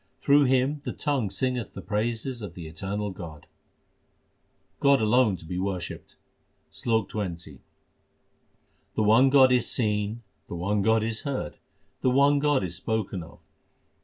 Through him the tongue singeth the praises of the Eternal God. God alone to be worshipped : SLOK XX The one God is seen, the one God is heard, the one God is spoken of.